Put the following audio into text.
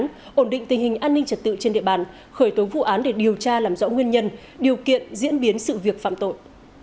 hình hình an ninh trật tự trên địa bàn khởi tố vụ án để điều tra làm rõ nguyên nhân điều kiện diễn biến sự việc phạm tội